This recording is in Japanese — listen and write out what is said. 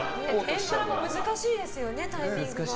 天ぷらも難しいですよねタイミングが。